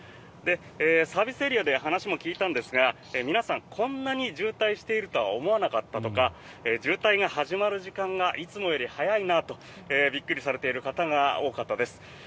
サービスエリアで話も聞いたんですが皆さんこんなに渋滞しているとは思わなかったとか渋滞が始まる時間がいつもより早いなとびっくりされている方が多かったです。